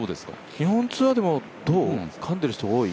日本ツアーでもかんでる人多い？